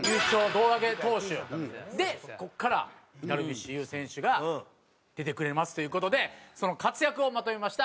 胴上げ投手でここからダルビッシュ有選手が出てくれますという事でその活躍をまとめました。